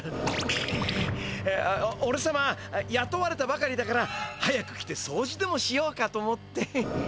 くっおれさまやとわれたばかりだから早く来てそうじでもしようかと思って。